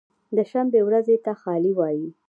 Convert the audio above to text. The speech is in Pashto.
د شنبې ورځې ته خالي وایی